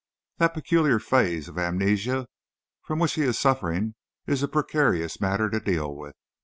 That peculiar phase of amnesia from which he is suffering is a precarious matter to deal with.